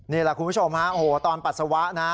นี่แหละคุณผู้ชมฮะโอ้โหตอนปัสสาวะนะ